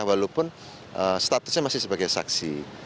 walaupun statusnya masih sebagai saksi